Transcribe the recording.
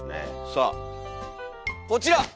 さあこちら！